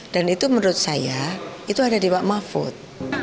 dan itu menurut saya itu ada di wak mahfud